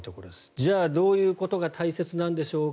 じゃあどういうことが大切なんでしょうか。